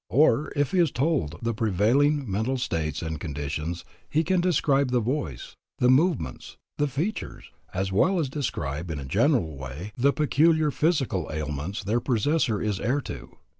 Or, if he is told the prevailing mental states and conditions, he can describe the voice, the movements, the features, as well as describe, in a general way, the peculiar physical ailments their possessor is heir to.